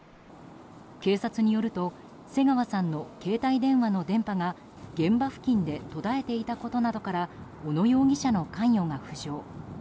警察によると瀬川さんの携帯電話の電波が現場付近で途絶えていたことなどから小野容疑者の関与が浮上。